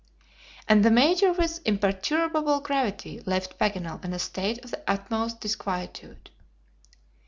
And the Major with imperturbable gravity left Paganel in a state of the utmost disquietude.